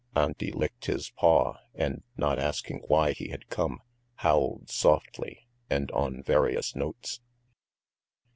Auntie licked his paw, and not asking why he had come, howled softly and on various notes.